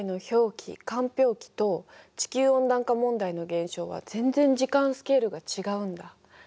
氷期と地球温暖化問題の現象は全然時間スケールが違うんだ。